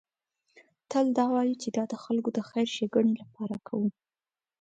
تل دا وایو چې دا د خلکو د خیر ښېګڼې لپاره کوو.